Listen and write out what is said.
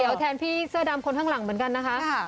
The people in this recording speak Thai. เดี๋ยวแทนพี่เสื้อดำคนข้างหลังเหมือนกันนะคะ